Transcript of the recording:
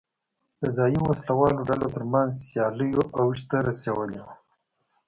د ځايي وسله والو ډلو ترمنځ سیالیو اوج ته رسولې وه.